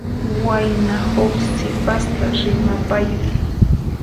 Wayna huk sipasta rimapayan.